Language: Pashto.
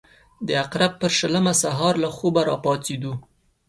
د عقرب پر شلمه سهار له خوبه راپاڅېدو.